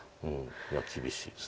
いや厳しいです。